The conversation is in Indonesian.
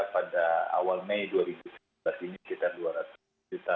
pada awal mei dua ribu tujuh belas ini sekitar dua ratus juta